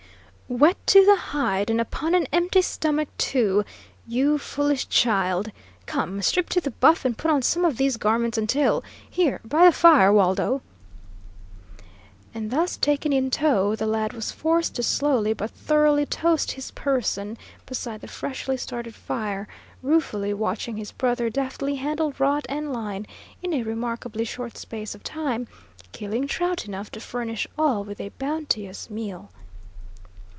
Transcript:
"Wet to the hide, and upon an empty stomach, too! You foolish child! Come, strip to the buff, and put on some of these garments until here by the fire, Waldo." And thus taken in tow, the lad was forced to slowly but thoroughly toast his person beside the freshly started fire, ruefully watching his brother deftly handle rod and line, in a remarkably short space of time killing trout enough to furnish all with a bounteous meal.